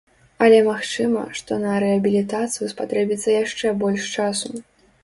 Але магчыма, што на рэабілітацыю спатрэбіцца яшчэ больш часу.